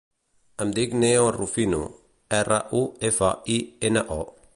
Em dic Neo Rufino: erra, u, efa, i, ena, o.